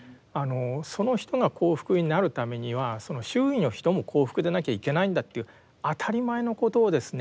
その人が幸福になるためにはその周囲の人も幸福でなきゃいけないんだという当たり前のことをですね